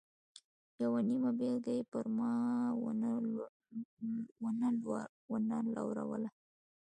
یوه نیمه بېلګه یې پر ما و نه لوروله.